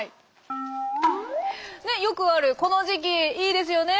よくあるこの時期いいですよね。